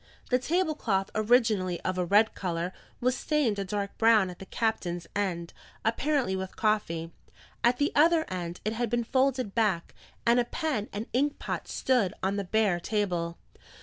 The table cloth, originally of a red colour, was stained a dark brown at the captain's end, apparently with coffee; at the other end, it had been folded back, and a pen and ink pot stood on the bare table.